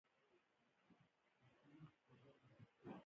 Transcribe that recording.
ګوتیک کلیساوې د دې وخت په زړه پورې ودانۍ دي.